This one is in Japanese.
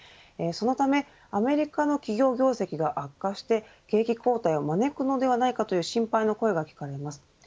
そのため、アメリカの企業業績が悪化して景気後退を招くのではないかとの心配の声が聞かれます。